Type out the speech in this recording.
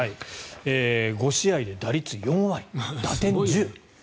５試合で打率４割打点１０。